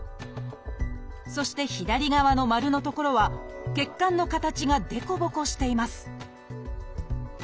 そして左側の丸の所は血管の形が凸凹しています